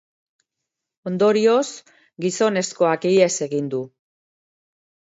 Ondorioz, gizonezkoak ihes egin du.